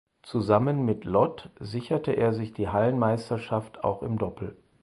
Zusammen mit Lott sicherte er sich die Hallenmeisterschaft auch im Doppel.